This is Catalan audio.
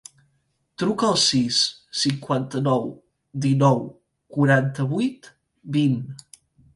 Truca al sis, cinquanta-nou, dinou, quaranta-vuit, vint.